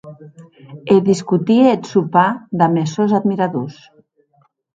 E discutie eth sopar damb es sòns admiradors.